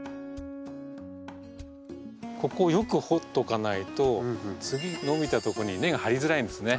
ここをよく掘っておかないと次伸びた所に根が張りづらいんですね。